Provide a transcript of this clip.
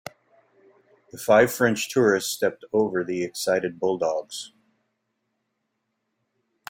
The five French tourists stepped over the excited bulldogs.